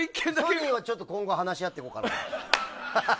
ソニーは今後話し合っていこうかなと。